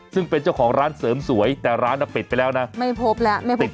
ซึ่งเป็นเจ้าของร้านเสริมสวยแต่ร้านอ่ะปิดไปแล้วนะไม่พบแล้วไม่ปิด